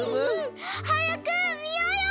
はやくみようよ！